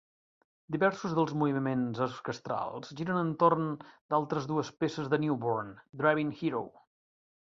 Diversos dels moviments orquestrals giren entorn d'altres dues peces de Newborn: Drebin - Hero!